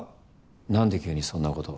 何で急にそんなことを？